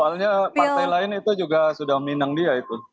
soalnya partai lain itu juga sudah minang dia itu